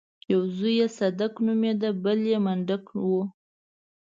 يو زوی يې صدک نومېده بل يې منډک و.